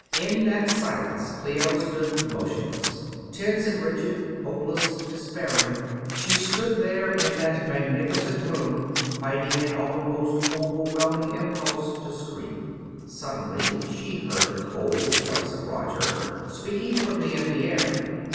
In that silence Clio stood motionless. Tense and rigid, hopeless, despairing, she stood there in that magnificent room, fighting an almost overwhelming impulse to scream. Suddenly she heard the cold voice of Roger, speaking from the empty air.